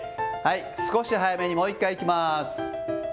少し早めに、もう一回いきます。